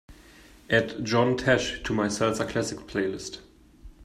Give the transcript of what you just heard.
Add John Tesh to my salsa classics playlist